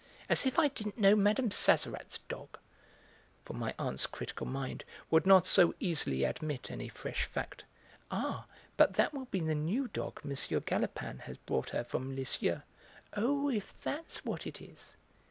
"As if I didn't know Mme. Sazerat's dog!" for my aunt's critical mind would not so easily admit any fresh fact. "Ah, but that will be the new dog M. Galopin has brought her from Lisieux." "Oh, if that's what it is!"